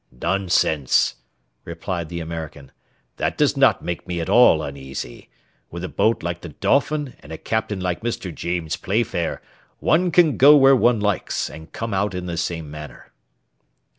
"Nonsense!" replied the American, "that does not make me at all uneasy; with a boat like the Dolphin and a Captain like Mr. James Playfair, one can go where one likes, and come out in the same manner."